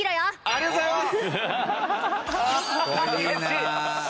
ありがとうございます。